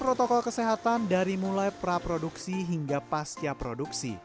protokol kesehatan dari mulai praproduksi hingga pasca produksi